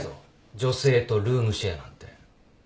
女性とルームシェアなんて。